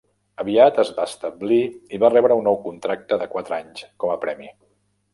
Aviat es va establir i va rebre un nou contracte de quatre anys com a premi.